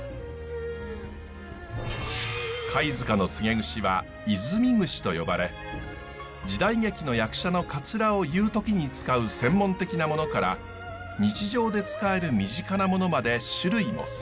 貝塚のつげ櫛は和泉櫛と呼ばれ時代劇の役者のかつらを結う時に使う専門的なものから日常で使える身近なものまで種類もさまざま。